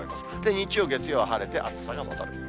日曜、月曜は晴れて、暑さが戻る。